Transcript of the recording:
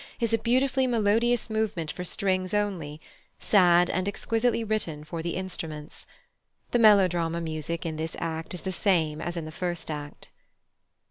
is a beautifully melodious movement for strings only, sad, and exquisitely written for the instruments. The melodrama music in this act is the same as in the first act.